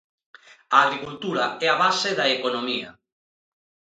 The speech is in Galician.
A agricultura é a base da economía.